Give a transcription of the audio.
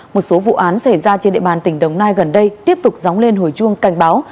một số vụ án xảy ra trên địa bàn tỉnh đồng nai gần đây tiếp tục dóng lên hồi chuông cảnh báo